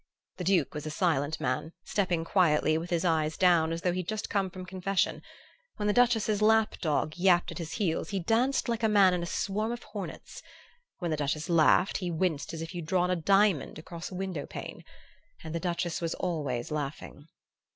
The Duke was a silent man, stepping quietly, with his eyes down, as though he'd just come from confession; when the Duchess's lap dog yapped at his heels he danced like a man in a swarm of hornets; when the Duchess laughed he winced as if you'd drawn a diamond across a window pane. And the Duchess was always laughing.